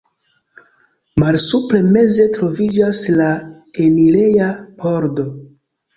Malsupre meze troviĝas la enireja pordo.